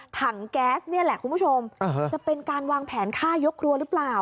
ถังแก๊สนี่แหละคุณผู้ชมจะเป็นการวางแผนฆ่ายกครัวหรือเปล่า